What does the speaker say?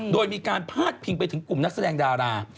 โดยมีการพาดพิงไปถึงกลุ่มนักแสดงดารา